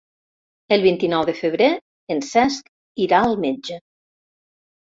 El vint-i-nou de febrer en Cesc irà al metge.